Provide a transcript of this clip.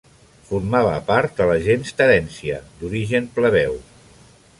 Formava part de la gens Terència, d'origen plebeu.